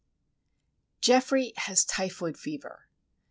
Geoffrey has typhoid fever.